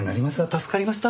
助かりました。